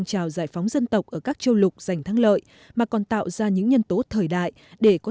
trào giải phóng dân tộc ở các châu lục giành thắng lợi mà còn tạo ra những nhân tố thời đại để có